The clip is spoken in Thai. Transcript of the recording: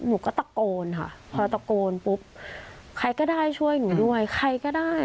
หนูก็ตะโกนค่ะพอตะโกนปุ๊บใครก็ได้ช่วยหนูด้วยใครก็ได้